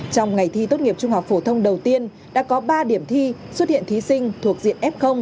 trong ngày thi tốt nghiệp trung học phổ thông đầu tiên đã có ba điểm thi xuất hiện thí sinh thuộc diện f